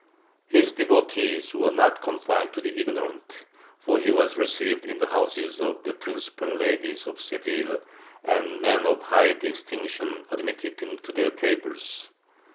His devotees were not confined to the ignorant, for he was received in the houses of the principal ladies of Seville and men of high distinction admitted him to their tables.